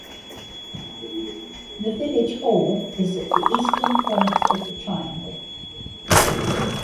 The village hall is at the eastern point of the triangle.